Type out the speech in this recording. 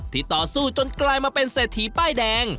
ต่อสู้จนกลายมาเป็นเศรษฐีป้ายแดง